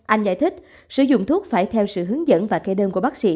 anh giải thích sử dụng thuốc phải theo sản phẩm